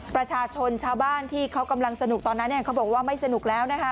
ประชาชนชาวบ้านที่เขากำลังสนุกตอนนั้นเขาบอกว่าไม่สนุกแล้วนะคะ